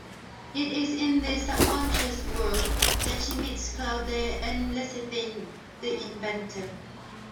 It is in this subconscious world that she meets Claude and Lecithin the inventor.